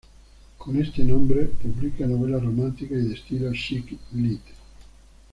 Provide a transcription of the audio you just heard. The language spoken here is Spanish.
Con este nombre publica novelas románticas y de estilo "chick lit".